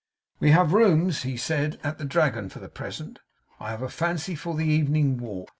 'We have rooms,' he said, 'at the Dragon, for the present. I have a fancy for the evening walk.